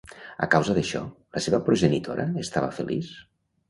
A causa d'això, la seva progenitora estava feliç?